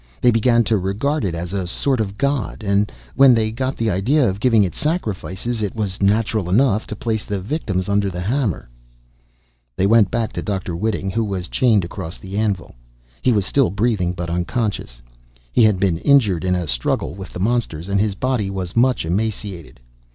They began to regard it as a sort of god. And when they got the idea of giving it sacrifices, it was natural enough to place the victims under the hammer." They went back to Dr. Whiting who was chained across the anvil. He was still breathing, but unconscious. He had been injured in a struggle with the monsters, and his body was much emaciated.